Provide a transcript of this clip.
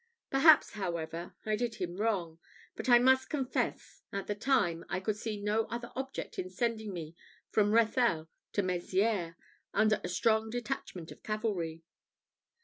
Perhaps, however, I did him wrong; but I must confess, at the time, I could see no other object in sending me from Rethel to Mezières under a strong detachment of cavalry.